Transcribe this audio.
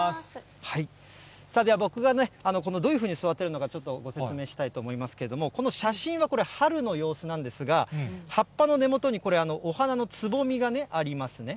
僕がね、どういうふうに育てるのか、ちょっとご説明したいと思いますけれども、この写真は春の様子なんですが、葉っぱの根元にこれ、お花のつぼみがね、ありますね。